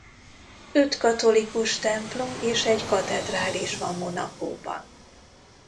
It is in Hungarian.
Öt katolikus templom és egy katedrális van Monacóban.